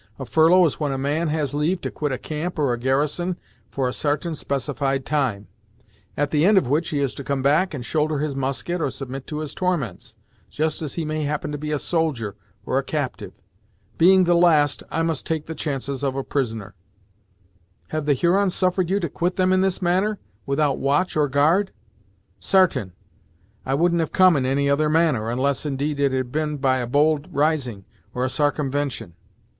A furlough is when a man has leave to quit a camp or a garrison for a sartain specified time; at the end of which he is to come back and shoulder his musket, or submit to his torments, just as he may happen to be a soldier, or a captyve. Being the last, I must take the chances of a prisoner." "Have the Hurons suffered you to quit them in this manner, without watch or guard." "Sartain I woul'n't have come in any other manner, unless indeed it had been by a bold rising, or a sarcumvention."